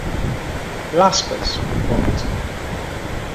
Λάσπες! φώναξε